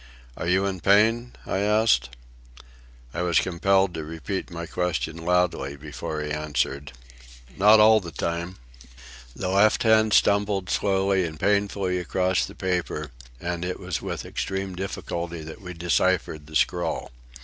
"Are you in pain?" I asked. I was compelled to repeat my question loudly before he answered: "Not all the time." The left hand stumbled slowly and painfully across the paper, and it was with extreme difficulty that we deciphered the scrawl.